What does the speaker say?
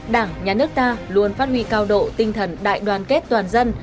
đảng nhà nước ta luôn phát huy cao độ tinh thần đại đoàn kết toàn dân